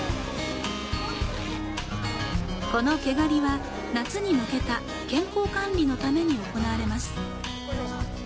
この毛刈りは夏に向けた健康管理のために行われます。